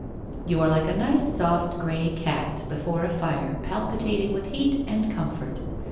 ' You are like a nice, soft, grey cat, before a fire, palpi tating with heat and comfort.